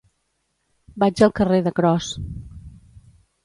Vaig al carrer de Cros.